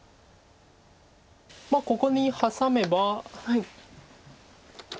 ここにハサめば。